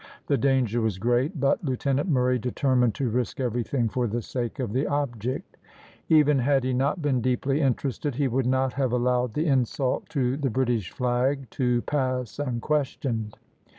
The danger was great, but Lieutenant Murray determined to risk everything for the sake of the object. Even had he not been deeply interested, he would not have allowed the insult to the British flag to pass unquestioned.